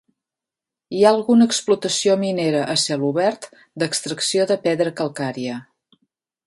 Hi ha alguna explotació minera a cel obert d'extracció de pedra calcària